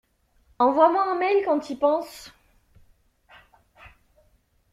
Envoie-moi un mail quand tu y penses.